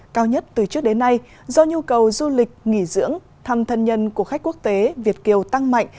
cao nhất từ trước đến nay do nhu cầu du lịch nghỉ dưỡng thăm thân nhân của khách quốc tế việt kiều tăng mạnh